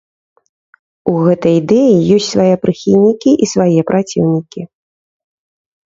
У гэтай ідэі ёсць свае прыхільнікі і свае праціўнікі.